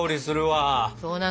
そうなのよ！